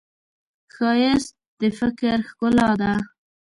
ښایست د فکر ښکلا ده